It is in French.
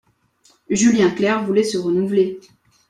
Julien Clerc voulait se renouveler.